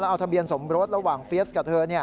เอาทะเบียนสมรสระหว่างเฟียสกับเธอ